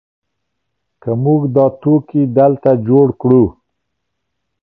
که موږ دا توکي دلته جوړ کړو.